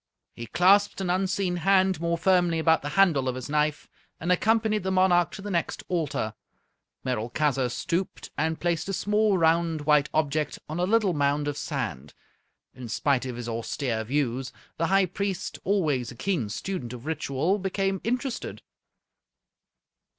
He clasped an unseen hand more firmly about the handle of his knife, and accompanied the monarch to the next altar. Merolchazzar stooped, and placed a small round white object on a little mound of sand. In spite of his austere views, the High Priest, always a keen student of ritual, became interested.